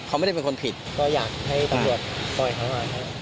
เขาไม่ได้เป็นคนผิดก็อยากให้ตำรวจต่อยเขาก่อน